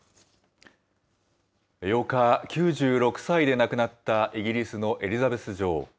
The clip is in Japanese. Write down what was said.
８日、９６歳で亡くなったイギリスのエリザベス女王。